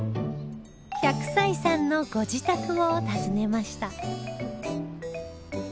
１００歳さんのご自宅を訪ねました